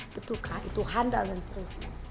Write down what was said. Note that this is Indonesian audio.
betulkah itu handal dan perisnya